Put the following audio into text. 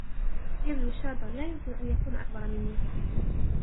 يبدو شابًا. لا يمكن أن يكون أكبر مني.